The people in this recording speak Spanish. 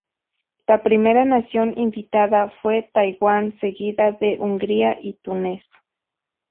La primera nación invitada fue Taiwán, seguida de Hungría y Túnez.